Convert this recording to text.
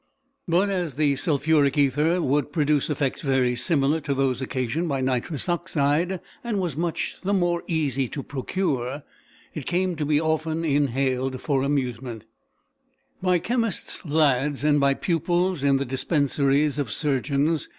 But, as the sulphuric ether would "produce effects very similar to those occasioned by nitrous oxide," and was much the more easy to procure, it came to be often inhaled, for amusement, by chemists' lads and by pupils in the dispensaries of surgeons.